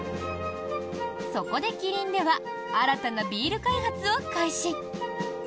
そこで、キリンでは新たなビール開発を開始。